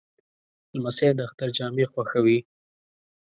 لمسی د اختر جامې خوښوي.